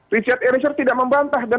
richard eliezer tidak membantah dan